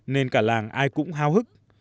nên cả làng ai cũng hao hức